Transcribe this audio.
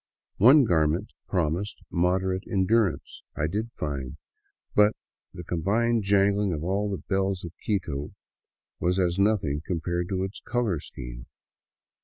One garment promising moderate endurance I did find, but the combined jangling of all the bells of Quito was as nothing compared to its color scheme.